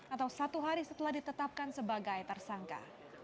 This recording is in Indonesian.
atau satu hari setelah ditetapkan sebagai tersangka